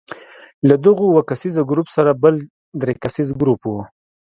له دغو اووه کسیز ګروپ سره بل درې کسیز ګروپ وو.